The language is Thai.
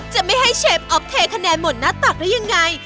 จะไม่ให้เชฟออฟเทคะแนนหมดหน้าตักได้ยังไง